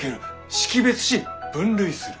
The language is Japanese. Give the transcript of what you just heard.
識別し分類する。